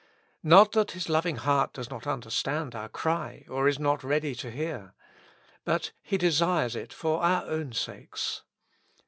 Not that His loving heart does not understand our cry, or is not ready to hear. But He desires it for our own sakes.